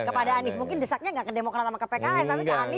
kepada anies mungkin desaknya gak kedemokan sama kpk tapi ke aniesnya